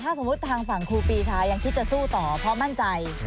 สมมุติทางฝั่งครูปีชายังคิดจะสู้ต่อเพราะมั่นใจ